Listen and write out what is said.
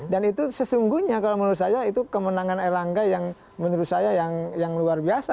dan itu sesungguhnya kalau menurut saya itu kemenangan erlangga yang menurut saya yang luar biasa